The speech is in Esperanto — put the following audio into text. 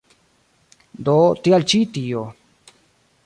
Do tial ĉi tio.